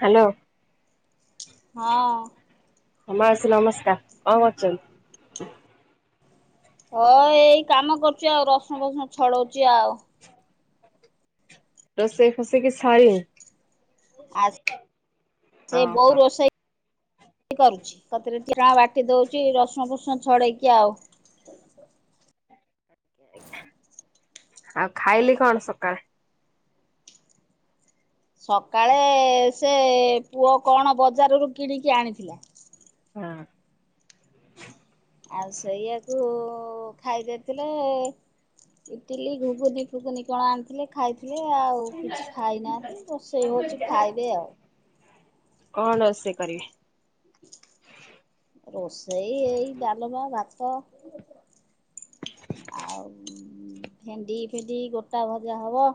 Hello. ହଁ ମାଉସୀ ନମସ୍କାର କଣ କଚ ହଁ ଏଇ କାମ କରୁଚି ଆଉ ରସୁଣ ବସୁଣ ଛଡଉଛି ଆଉ। ରୋଷେଇ ରୋଷେଇ ଛିଡିନି। ଆଜ୍ ସେ ଓହୋ ବଉ ରୋଷେଇ କରୁ କତରେ ଟା ବାଟି ଦଉଚି ରସୁଣ ଫସୁଣ ଛଡେଇକି ଆଉ। ଆଉ ଖାଇଲେ କଣ ସକାଳେ? ସକାଳେ ସେ ପୁଅ କଣ ବଜାରରୁ କିଣିକି ଆଣିଥିଲା। ହଁ ଆଉ ସେୟାକୁ ଖାଇ ଦେଇଥିଲେ। ଇଟିଲି ଘୁଗୁନି ଫୁଗୁନି କଣ ଆଣିଥିଲେ ଖାଇ ଥିଲେ ଆଉ କିଛି ଖାଇନାହାନ୍ତି ରୋଷେଇ ହଉଛି ଖାଇବେ ଆଉ। କଣ ଓସେଇ କରିବେ? ରୋଷେଇ ଏଇ ଡାଲମା, ଭାତ। ଆଉ ଭେଣ୍ଡି ଫେଣ୍ଡି ଗୋଟା ଭଜା ହବ।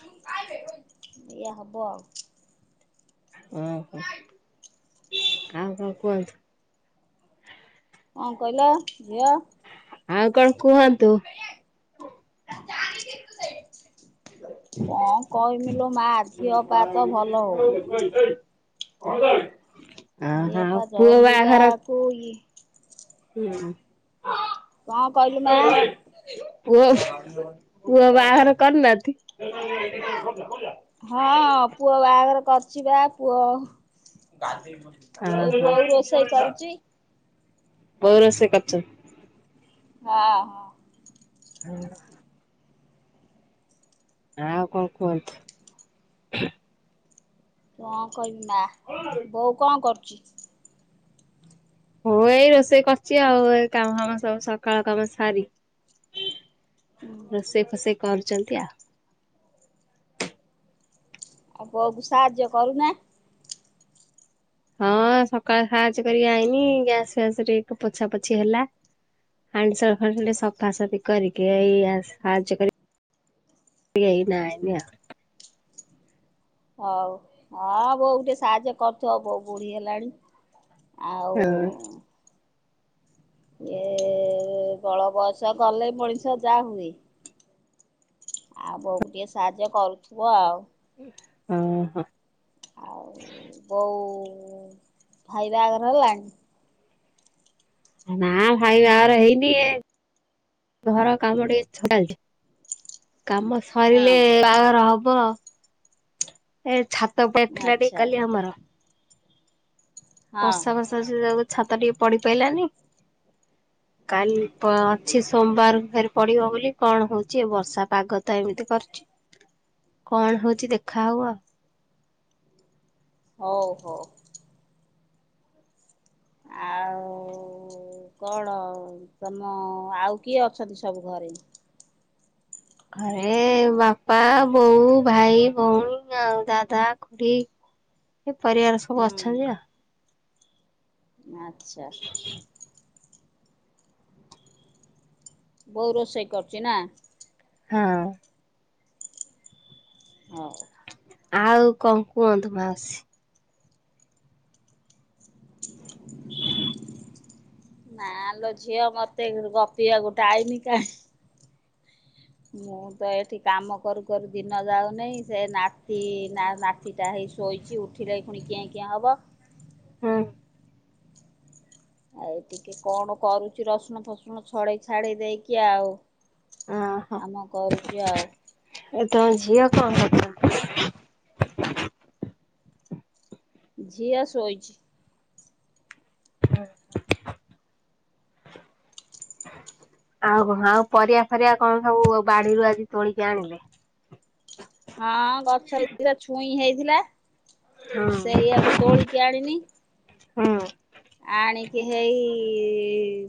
ହଁ ଇଆ ହବ। ହଁ ହଁ ଆଉ କଣ କୁହନ୍ତୁ? କଣ କହିଲ ଝିଅ? ଆଉ କଣ କୁହନ୍ତୁ? [unintelligible] କ କହିବି ଲୋ ମା ଦେହ ପା ତ ଭଲ ହଉନି। ଦେହ ଆଉ ପା ପୁଅ [unintelligible] ହୁଁ। କଣ କହିଲୁ ମା? [unintelligible] ପୁଅ ବାହାଘର କରିନାହାନ୍ତି? ହଁ-ଅ-ଅ-ଅ ପୁଅ ବାହାଘର କରିଛି ବା ପୁଅ ଏଇ ଓହୋ ବୋଉ ରୋଷେଇ କରୁଛି। ବୋଉ ରୋଷେଇ କରୁଚନ୍ତି? ହଁ ହଁ। ହୁଁ। ଆଉ କଣ କୁହନ୍ତୁ? କଣ କହିବି ମା ବୋଉ କଣ କରୁଛି? ବୋଉ ଏଇ ରୋଷେଇ କରିଛି ଆଉ ଏ କାମ ଫାମ ସବୁ ସକାଳ କାମ ସାରି ହୁଁ ରୋଷେଇ ଫୋଷେଇ କରୁଛନ୍ତି ଆ। ଆଉ ବୋଉକୁ ସାହାଯ୍ୟ କରୁନା? ହଁ-ଅ-ଅ ସକାଳ ସାହାଯ୍ୟ କରି ଆଇନି ଗ୍ୟାସ ଫ୍ୟାସ ଟିକେ ପୋଛା ପୋଛି ହେଲା। ହାଣ୍ଡିଶାଳ ଫା [unintelligible] ସଫାସଫି କରିକି ଏଇ ଆସ୍ ସାହାଯ୍ୟ କରି ଏଇନା ଆଇନିଆ ହଉ ଅ-ଅ ବୋଉ ଟିକେ ସାହାଯ୍ୟ କରୁଥିବ ବୋଉ ବୁଢୀ ହେଲାଣି। ହଁ ଆଉ-ଉ-ଉ ଏ-ଏ-ଏ ବଳବୟସ ଗଲେ ମଣିଷ ଯାହା ହୁଏ। ଆଉ ବୋଉ ଟିକେ ସାହାଯ୍ୟ କରୁଥିବ ଆଉ। ହଁ ହଁ। ଆଉ-ଉ-ଉ ବୋଉ-ଉ-ଉ-ଉ ଭାଇ ବାଆଗର ହେଲାଣି? ନା ଭାଇ ବାହାଘର ହେଇନି ଘର କାମ ଟିକେ ଛ ଚାଲିଛି। କାମ ହଁ ସରିଲେ-ଏ-ଏ-ଏ ବାହାଘର ହବ। ଏ ଛାତ ପେଟଥିଲା ଟି ଆଚ୍ଛା କାଲି ଆମର। ହଁ ବର୍ଷା ବର୍ଷା ଯୋଗୁ ଛାତ ଟିକେ ପଡିି ପାଇଲାନି। କାଲି ପ-ଅ ଅଛି ସୋମବାର ଫେରେ ପଡିବ ବୋଲି କଣ ହଉଛି ବର୍ଷା ପାଗ ତ ଏମିତି କରୁଛି। କଣ ହଉଛି ଦେଖା ହବ। ହଉ ହଉ। ଆଉ-ଉ-ଉ-ଉ-ଉ କଣ-ଅ ତମ-ଅ-ଅ ଆଉ କିଏ ଅଛନ୍ତି ସବୁ ଘରେ? ଘରେ-ଏ-ଏ ଏ ବାପା, ବୋଉ, ଭାଇ, ଭଉଣୀ ଆଉ ଦାଦା, ଖୁଡି ଏ ପରିବାର ସବୁ ହୁଁ ଅଛନ୍ତି ଆ। ଆଚ୍ଛା। ବୋଉ ରୋଷେଇ କରୁଛି ନା? ହଁ। ହଉ। ଆଉ କଣ କୁହନ୍ତୁ ମାଉସୀ? ନାଲୋ ଝିଅ ମତେ ଗପିବାକୁ ଟାଇମ କାହିଁ। ମୁଁ ତ ଏଠି କାମ କରୁ କରୁ ଦିନ ଯାଉନି ସେ ନାତି ନା ନା ତି ଟା ହେଇ ଶୋଇଛି ଉଠିଲେ ପୁଣି କେଁ କେଁ ହବ। ହଁ। ଆଉ ଟିକେ କଣ କରୁଛି ରସୁଣ ଫସୁଣ ଛଡେଇ ଛାଡେଇ ଦେଇକି ଆଉ। ଓହୋ କମ କରୁଛି ଆଉ। ଏ ତମ ଝିଅ କଣ କରୁଛନ୍ତି? ଝିଅ ଶୋଇଛି। ହ [unintelligible] ଆଉ କଣ ଆଉ ପରିବା ପରିବା କଣ ସବୁ ବାଡିରୁ ଆଜି ତୋଳିକି ଆଣିଲେ? ହଁ ଗଛରେ ଦି ଟା ଛୁଇଁ ହେଇଥିଲା ସେ ହୁଁ ଇୟଆକୁ ତୋଳିକି ଆଣିନି। ହଁ। ଆଣିକି ହେଇ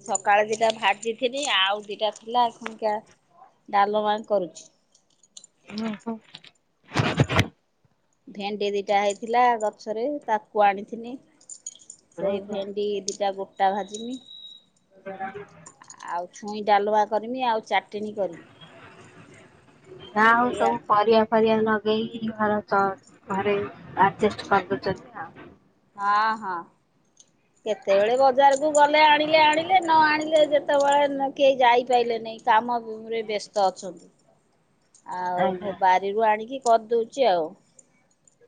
ସକାଳେ ଦିଟା ଭାଜିଜିଥିଲି ଆଉ ଦିଇଟା ଥିଲା। ଅହିକା ଡାଲମା କରୁଛି। ଓହୋ। ଭେଣ୍ଡି ଦିଟା ହେଇଥିଲା ଗଛରେ ତାକୁ ଆଣିଥିନି। ସେଇ ଭେଣ୍ଡି ଦିଟା ଗୋଟା ଭାଜିମି। [unintelligible] ଆଉ ଛୁଇଁ ଡାଲମା କରିମି ଆଉ ଚାଟିଣି କରିମି। ନା ହଉ ଏଇଆ ସବୁ ପରିବା ଫିରିବା ଲଗେଇକି ଘର ତ ଘରେ ଆଡଜଷ୍ଟ କରିଦଉଛନ୍ତି। ଆଉ ହଁ ହଁ। [inaudible] କେତେବେଳେ ବଜାରକୁ ଗଲେ ଆଣିଲେ ଆଣିଲେ ନ ଆଣିଲେ ଯେତେବେଳେ କେହି ଯାଇପାହିଲେ ନାହିଁ। କାମ ଭୁମିରେ ବ୍ୟସ୍ତ ଅଛନ୍ତି। [inaudible] ଆଉ ଆଜ୍ଞା ବାରିରୁ ଆଣିକି କରିଦଉଛି ଆଉ।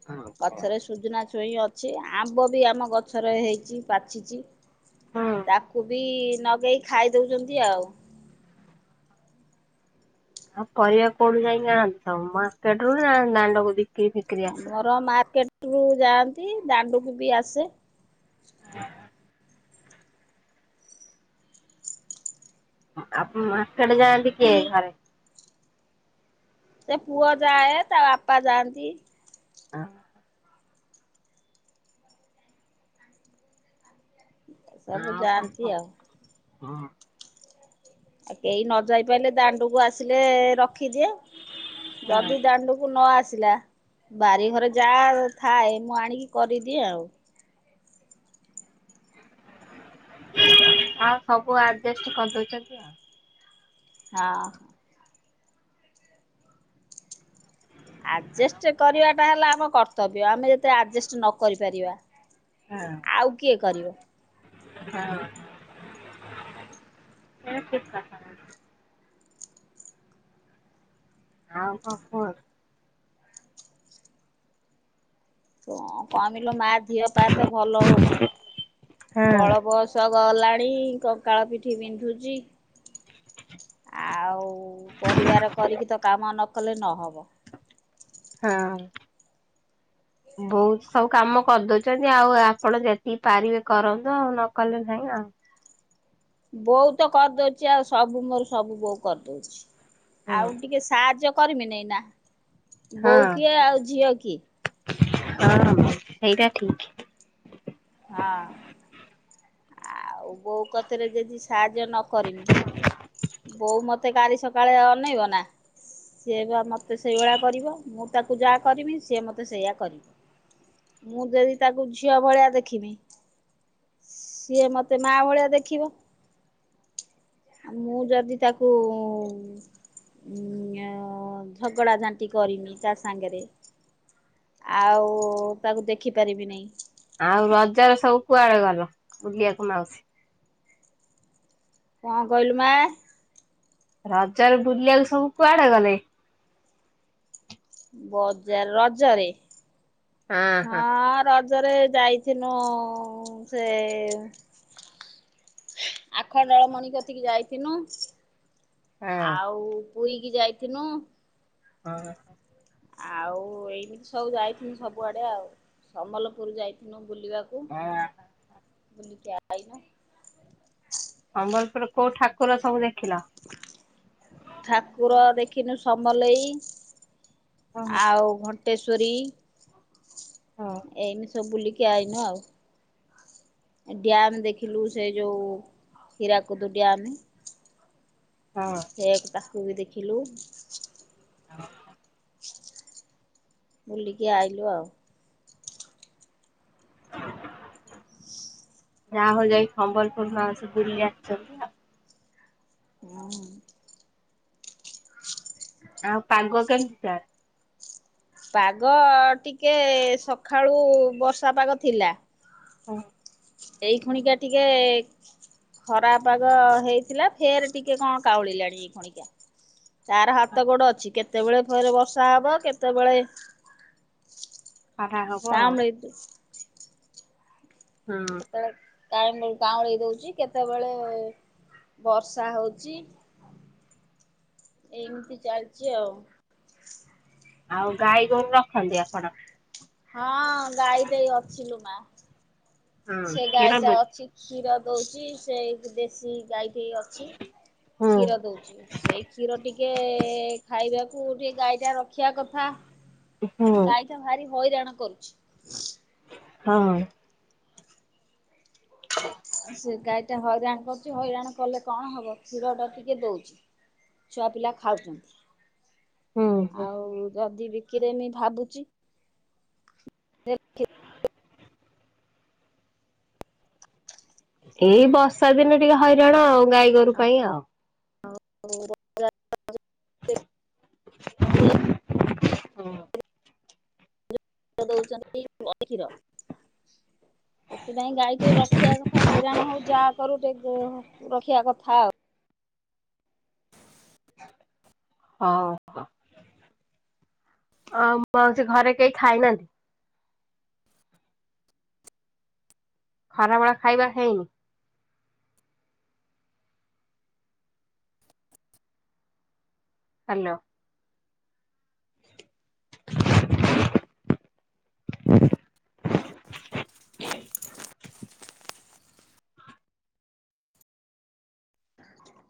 ହଜ [inaudible] ଗଛରେ ସୁଜନା ଛୁଇଁ ଅଛି ଆମ୍ବ ବି ଆମ ଗଛରେ ହେଇଛି ପାଛିଛି। ହୁଁ ତାକୁ ବି ନଗାଇ ଖାଇ ଦେଉଛନ୍ତି ଆଉ। ଆଉ ପରିବା କୋଉଠୁ ଯାଇଁ ପେଟରୁ ଦାଣ୍ଡ କୋଧିକି? ଆମର ମାର୍କେଟରୁୁ ଯାଆନ୍ତି ଦାଣ୍ଡୁକୁ ବି ଆସେ। ଆପଣ ମା ସେଡେ ଯାଆନ୍ତି କିଏ ଘରେ? ସେ ପୁଅ ଯାଏ ତା ବାପା ଯାଆନ୍ତି। ସବୁ ଆଉ କଣ ଜାଣିନ୍ତି ଆଉ। ହଁ ଆଉ କେହି ନ ଯାଇ ପାରିଲ ଦାଣ୍ଡକୁ ଆ ଆସିଲେ ରଖିଦିଏ ଯଦି ଦାଣ୍ଡୁକୁ ନ ଆସିଲା ବାରି ଘରେ ଯାହା ଥାଏ ମୁଁ ଆଣିକି କରିଦିଏ ଆଉ। ଆଉ ସବୁ ଆଡଜଷ୍ଟ କରିଦଉଛନ୍ତି। ଆଉ। ହଁ। ଆଡ଼ଜଷ୍ଟ କରିବାଟା ହେଲା ଆମ କର୍ତ୍ତବ୍ୟ ଆମେ ଯେତେରେ ଆଡ଼ଜଷ୍ଟ ନ କରିପାରିବା। ହଁ ଆଉ କିଏ କରିବ? ହଁ ଠିକ କଥା। ହଁ ହ ହ। କମିଲୁ ମାଅ ପା ତ ଭଲ ହଉନି ହଁ ବଳ ବସ ସ ଗଲାଣି କଙ୍କାଳ ପିଠି ବିନ୍ଧୁଛି। ଆଉ ପରିବାର କରିକି ତ କାମ ନ କଲେ ନହବ। ହଁ। ବୋଉ ତ ସବୁ କାମ କରିଦଉଛନ୍ତି ଆଉ ଆପଣ ଯେତିକି ପାରିବେ କରନ୍ତୁ ଆଉ ନ କଲେ ନାଇଁ ଆ। ବୋଉ ତ କରିଦଉଛି ଆଉ ସବୁ ମୋର ସବୁ ବୋଉ କରିଦଉଛି ହୁଁ ଆଉ ଟିକେ ସାହାଯ୍ୟ କରିମି ନେଇଁ ନା ବୋଉ କିଏ ଆଉ ଝିଅ କିଏ? ହଁ ହଁ ସେଇଟା ଠିକ। ହଁ ଆଉ ବୋଉ କତିରେ ଜେଜି ସ୍ ସାହାଯ୍ୟ ନ କରିମି ବୋଉ ମୋତେ କାଲି ସକାଳେ ଅନାଇବ ନା? ସିଏ ବା ମତେ ସେଇଭଳିଆ କରିବ ମୁଁ ତାକୁ ଯାହା କରିବି ସିଏ ମତେ ସେଇଆ କରିବ। ମୁଁ ଯଦି ତାକୁ ଝିଅ ଭଳିଆ ଦେଖ କିମି ସିଏ ମତେ ମା ଭଳିଆ ଦେଖିବ। ଆ ମୁଁ ଯଦି ତାକୁ ଉଁ [unintelligible] ଝଗଡ଼ା ଝାଣ୍ଟି କରିମି ତା ସାଙ୍ଗରେ। ଆଉ ତାକୁ ଦେଖିପାରିବି ନାଇଁ। ଆଉ ରଜ ରେ ସବୁ କୁଆଡ଼େ ଗଲ ବୁଲିବାକୁ ମାଉସୀ? କଣ କହିଲୁ ମା? ରଜରେ ବୁଲି ବାକୁ ସବୁ କୁଆଡ଼େ ଗଲେ? ବଜାର ରଜରେ ହଁ ରଜ ଜରେ ଯାଇଥିନୁ ସେ ଆଖଣ୍ଡଳମଣିି କତିକି ଯାଇଥିନୁ। ହଁ। ଆଉ ପୁରୀ କି ଯାଇଥିନୁ। ହଁ। ଆଉ ଏମିତି ସବୁ ଯାଇଥିନୁ ସବୁଆଡ଼େ ଆଉ ସମଲପୁର ଯାଇଥିନୁ ବୁଲିବାକୁ। ଅଁ [unintelligible] ବୁଲିକି ଆ ଆଇନୁ। ସମ୍ବଲପୁରରେ କୋଉ ଠାକୁର ସବୁ ଦେଖିଲ? ଠାକୁର ଦେଖିନୁ ସମଲେଇ। ଓହୋ ହଁ ଆଉ ଘଣ୍ଟେଶ୍ଵରୀ। ଏମିତି ସବୁ ବୁଲିକି ଆଇନୁ ଆଉ। ଡ୍ୟାମ୍ ଦେଖିଲୁ ସେ ଯୋଉ ହୀରାକୁଦୁ ଡ୍ୟାମ। ହଁ। ସେଇଆକୁ ତାକୁବି ଦେଖିଲୁ। ହଁ [inaudible] ବୁଲିକି ଆଇଲୁ ଆଉ। ଯାହା ହଉ ଯାଇକି ସମ୍ବଲପୁରୁ ମାଉସି ବୁଲିଆସିଛନ୍ତି। ହୁଁ। ଆଉ ପାଗ କେମିତିକା? ପାଗ ଟିକେ ସଖାଳୁ ବର୍ଷା ପାଗ ଥିଲା। ହୁଁ। ଏଇ କ୍ଷଣିକା ଟିକେ ଖରାପାଗ ହେଇଥିଲା ଫେର ଟିକେ କଣ କାଉଁଳି ଲାଣି ଏଇ କ୍ଷଣିକା। ତାର ହାତ ଗୋଡ଼ ଅଛି କେତେବେଳେ ଫେରେ ବର୍ଷା ହବ କେତେବେଳେ ଖରା ହବ ଆଉ। [unintelligible] ହଁ। କେତେବେଳେ କାଇ କାଉଁଳି ଦଉଛି କେତେବେଳେ ବର୍ଷା ହଉଛି। ଏମିତି ଚାଲିଛି ଆଉ,। ଆଉ ଗାଈ ଗୋରୁ ରଖନ୍ତି ଆପଣ। ହଁ ଗାଈ ଟେଇ ଅଛି ଲୋ ମା। ହଁ ସେ ଗାଈ କ୍ଷୀର ଟା ଦଉ ଅଛି। କ୍ଷୀର ଦଉଛି ସେ ଦେଶୀ ଗାଈଟେ ଅଛି। ହୁଁ କ୍ଷୀର ଦଉଛି। ସେଇ କ୍ଷୀର ଟିକେ ଖାଇବାକୁ ଟିକେ ଗାଈ ଟା ରଖିବା କଥା। ହୁଁ। ସେ ଭାରି ହଇରାଣ କରୁଛି। ହଁ। ସେ ଗାଈ ଟା ହଇରାଣ କରୁଛି। ହଇରାଣ କଲେ କଣ ହବ? କ୍ଷୀରତ ଟିକେ ଦଉଛି। ଛୁଆ ପିଲା ଖାଉଛନ୍ତି। ହୁଁ ହୁଁ ଆଉ ଯଦି ବିକିଦେମି ଭାବୁଛି। ଏଇ ବର୍ଷା ଦିନେ ଟିକେ ହଇରାଣ ଆଉ ଗାଈ ଗୋରୁ ପାଇଁ ଆଉ। [unintelligible] ହୁଁ। [unintelligible] ସେଥିପାଇଁ ଗାଈ ଟିକେ ରଖିବା କଥା, ହଇରାଣ ହଉ ଯାହା କରୁ ଟିକେ ରଖିବା କଥା ଆଉ। ହୋଉ। ହଁ ମୁଁ ଆଉ ଘରେ କେଇ ଖାଇନାହାନ୍ତି। ଖରାବେଳେ ଖାଇବା ହେଇନି? ହାଲୋ।